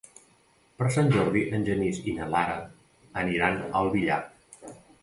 Per Sant Jordi en Genís i na Lara aniran al Villar.